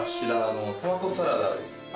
トマトサラダです。